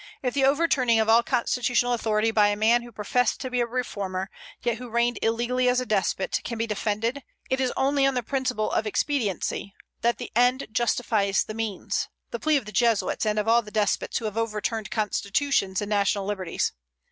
If the overturning of all constitutional authority by a man who professed to be a reformer, yet who reigned illegally as a despot, can be defended, it is only on the principle of expediency, that the end justifies the means, the plea of the Jesuits, and of all the despots who have overturned constitutions and national liberties.